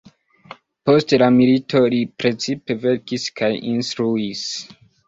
Post la milito li precipe verkis kaj instruis.